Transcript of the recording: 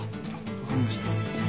わかりました。